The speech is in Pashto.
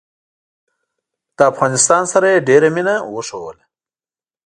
له افغانستان سره یې ډېره مینه وښودله.